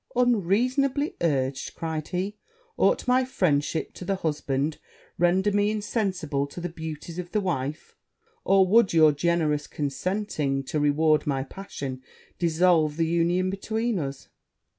'Unreasonably urged!' cried he: 'ought my friendship for the husband to render me insensible to the beauties of the wife? or would your generous consenting to reward my passion, dissolve the union between us?